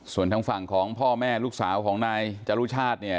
ส่วนทางฝั่งของพ่อแม่ลูกสาวของนายจรุชาติเนี่ย